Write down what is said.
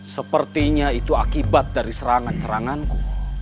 sepertinya itu akibat dari serangan seranganku